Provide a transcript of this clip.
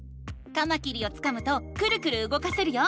カマキリをつかむとクルクルうごかせるよ。